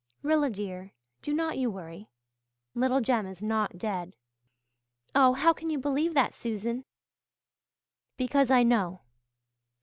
"Rilla, dear, do not you worry. Little Jem is not dead." "Oh, how can you believe that, Susan?" "Because I know.